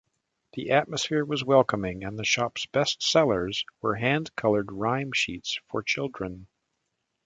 The atmosphere was welcoming, and the shop's best-sellers were hand-coloured rhyme sheets for children.